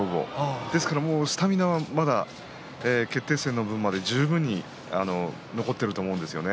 ですからスタミナはまだ決定戦の分まで十分に残っていると思うんですよね。